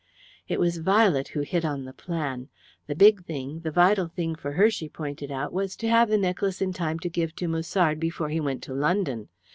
"It was Violet who hit on the plan. The big thing the vital thing for her, she pointed out, was to have the necklace in time to give to Musard before he went to London.